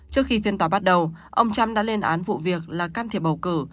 trước khi phiên tòa bắt đầu ông trump đã lên án vụ việc là can thiệp bầu cử